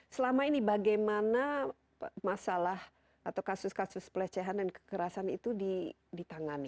selama ini bagaimana masalah atau kasus kasus pelecehan dan kekerasan itu ditangani